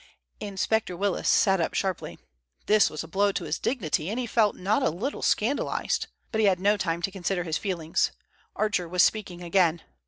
Inspector Willis sat up sharply. This was a blow to his dignity, and he felt not a little scandalized. But he had no time to consider his feelings. Archer was speaking again.